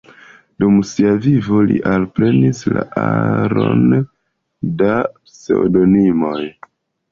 Dum sia vivo li alprenis aron da pseŭdonimoj.